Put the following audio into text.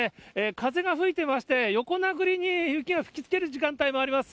風が吹いてまして、横殴りに雪が吹きつける時間帯もあります。